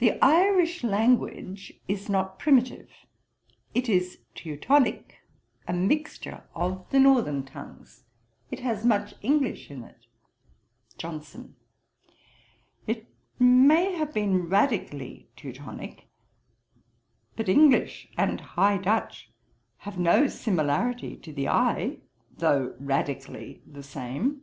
'The Irish language is not primitive; it is Teutonick, a mixture of the northern tongues: it has much English in it.' JOHNSON. 'It may have been radically Teutonick; but English and High Dutch have no similarity to the eye, though radically the same.